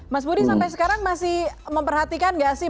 mas budi sampai sekarang masih memperhatikan nggak sih